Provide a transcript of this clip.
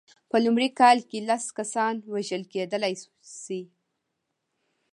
په لومړۍ کال کې لس کسان وژل کېدلای شي.